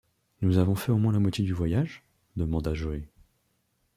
Nous avons fait au moins la moitié du voyage? demanda Joe.